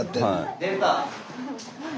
出た！